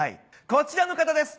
こちらの方です。